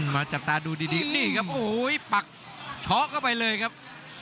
จับตาดูดีนี่ครับโอ้โหปักช้อเข้าไปเลยครับ